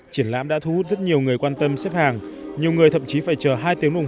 triển lãm đã thu hút rất nhiều người quan tâm xếp hàng nhiều người thậm chí phải chờ hai tiếng đồng